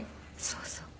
そうそう。